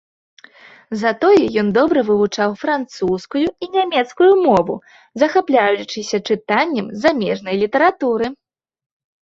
Затое ён добра вывучыў французскую і нямецкую мовы, захапляючыся чытаннем замежнай літаратуры.